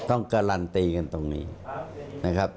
การันตีกันตรงนี้นะครับ